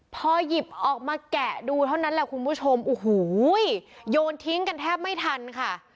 พอหยิบออกมาแกะดูเท่านั้นแหละคุณผู้ชมโอ้โหโยนทิ้งกันแทบไม่ทันค่ะ